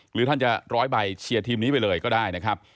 หรือท่านจะร้อยใบเชียร์ทีมนี้ไปเลยก็ได้นะครับ